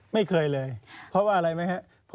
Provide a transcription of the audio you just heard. ไม่เคยเลยเพราะว่าอะไรไหมครับ